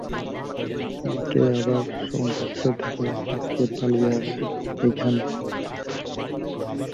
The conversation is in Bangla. অনেকে আবার সংঘর্ষ থেকে বাঁচতে পালিয়ে আসেন এখানে।